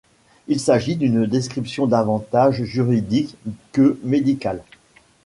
Il s'agit d'une description davantage juridique que médicale.